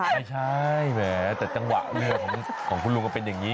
แต่จังหวะเรือของลุงเป็นอย่างงี้